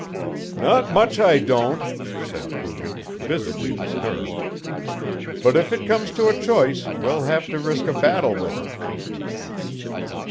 "Not much, I don't!" said Coogan, visibly disturbed. "But if it comes to a choice, we'll have to risk a battle with him."